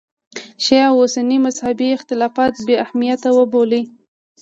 شیعه او سني مذهبي اختلافات بې اهمیته وبولي.